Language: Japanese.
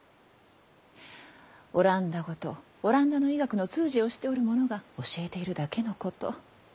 オランダ語とオランダの医学の通詞をしておるものが教えているだけのこと。